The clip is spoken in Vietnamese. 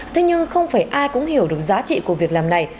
thế nhưng không phải ai cũng hiểu được giá trị của việc làm này